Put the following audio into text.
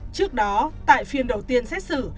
trước đó tại phiên đầu tiên xét xử